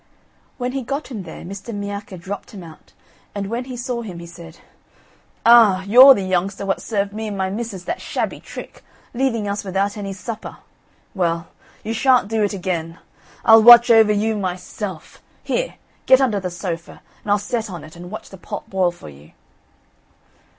When he got him there, Mr. Miacca dropped him out; and when he saw him, he said: "Ah, you're the youngster what served me and my missus that shabby trick, leaving us without any supper. Well, you shan't do it again. I'll watch over you myself. Here, get under the sofa, and I'll set on it and watch the pot boil for you."